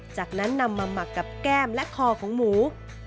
จากนั้นนำมาหมักกับแก้มและคอของหมู